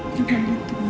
ini dari tuhan